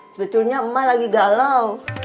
sebetulnya emak lagi galau